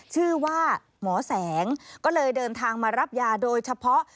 ชื่อว่าหมอแสงก็เลยเดินทางมารับยาโดยเฉพาะ